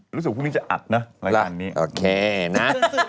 สรุปพรุ่งนี้จะอัดนะการนี้โอเคนะ